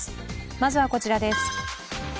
まずはこちらです。